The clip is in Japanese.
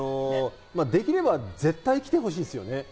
できれば絶対来てほしいですよね。